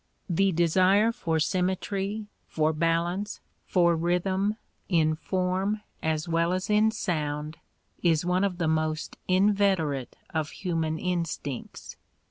The desire for symmetry, for balance, for rhythm in form as well as in sound, is one of the most inveterate of human instincts.